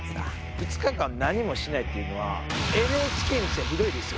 ２日間何もしないっていうのはＮＨＫにしてはひどいですよ。